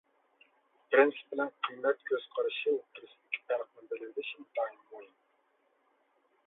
پىرىنسىپ بىلەن قىممەت كۆز قارىشى ئوتتۇرىسىدىكى پەرقنى بىلىۋېلىش ئىنتايىن مۇھىم.